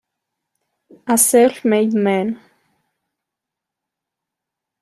A Self-Made Man